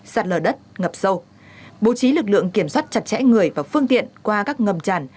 sạt lở đất ngập sâu bố trí lực lượng kiểm soát chặt chẽ người và phương tiện qua các ngầm tràn